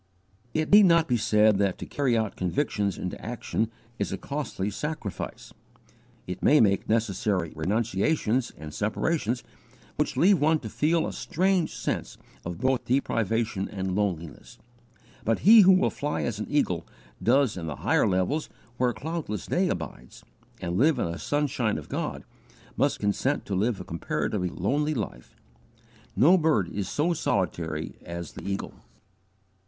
It need not be said that to carry out conviction into action is a costly sacrifice. It may make necessary renunciations and separations which leave one to feel a strange sense both of deprivation and loneliness. But he who will fly as an eagle does into the higher levels where cloudless day abides, and live in the sunshine of God, must consent to live a comparatively lonely life. No bird is so solitary as the eagle.